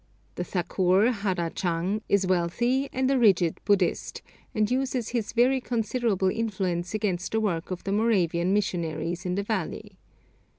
The thakur, Hara Chang, is wealthy and a rigid Buddhist, and uses his very considerable influence against the work of the Moravian missionaries in the valley.